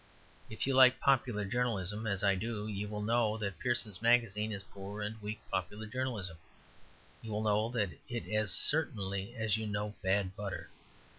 If you like popular journalism (as I do), you will know that Pearson's Magazine is poor and weak popular journalism. You will know it as certainly as you know bad butter.